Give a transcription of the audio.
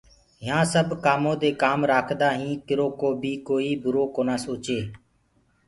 يهآنٚ سب ڪآمودي ڪآم رآکدآئينٚ ڪرو ڪو بيٚ ڪوئيٚ برو ڪونآ سوچي